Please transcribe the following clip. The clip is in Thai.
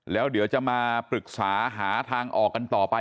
แล้วเดี๋ยวจะมาปรึกษาหาทางออกกันต่อไป